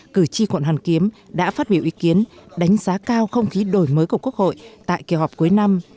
cử tri quận hoàn kiếm đã phát biểu ý kiến đánh giá cao không khí đổi mới của quốc hội tại kỳ họp cuối năm